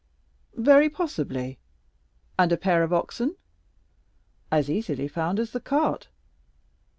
"Very possibly." "And a pair of oxen?" "As easily found as the cart."